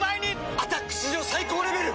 「アタック」史上最高レベル！